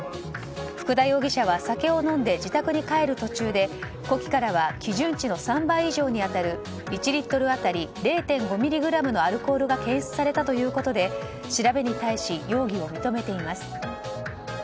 福田容疑者は酒を飲んで自宅に帰る途中で呼気からは基準値の３倍以上に当たる１リットル当たり０．５ミリグラムのアルコールが検出されたということで調べに対し容疑を認めています。